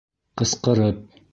Ҡысҡырып.